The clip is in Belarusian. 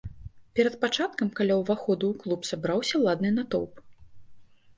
Перад пачаткам каля ўваходу ў клуб сабраўся ладны натоўп.